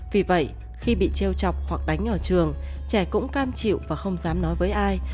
vì vậy khi bị treo chọc hoặc đánh ở trường trẻ cũng cam chịu và không dám nói với ai